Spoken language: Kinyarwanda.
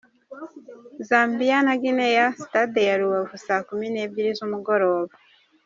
Zambia vs Guinnea stade ya Rubavu saa kumi n’ebyiri z’umugoroba.